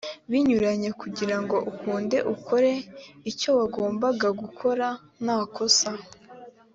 binyuranye kugira ngo ukunde ukore icyo wagombaga gukora nta ko bisa